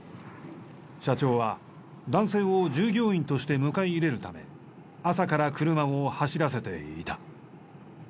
社長は男性を従業員として迎え入れるため朝から車を走らせていた。